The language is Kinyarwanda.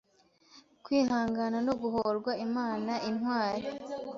Kwihangana no Guhorwa Imana Intwari